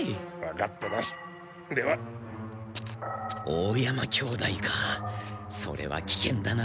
大山兄弟かそれは危険だな。